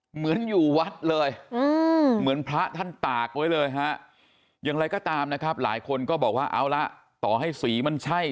เหมือนอยู่วัดเลยเหมือนพระท่านตากไว้เลยฮะอย่างไรก็ตามนะครับหลายคนก็บอกว่าเอาละต่อให้สีมันใช่